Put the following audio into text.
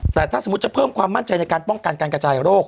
แต่ถ้าสมมุติจะเพิ่มความมั่นใจในการป้องกันการกระจายโรค